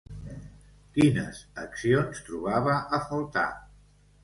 Quines accions trobava a faltar?